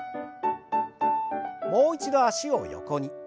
もう一度脚を横に。